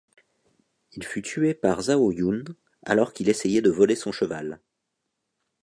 Il fut tué par Zhao Yun alors qu'il essayait de voler son cheval.